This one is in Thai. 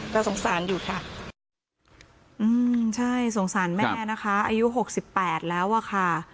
ก็สงสารอยู่ค่ะอืมใช่สงสารแม่นะคะอายุหกสิบแปดแล้วอะค่ะ